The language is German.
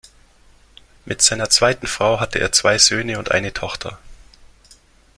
Mit seiner zweiten Frau hatte er zwei Söhne und eine Tochter.